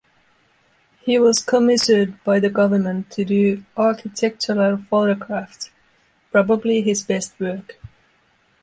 He was commissioned by the government to do architectural photographs, probably his best work.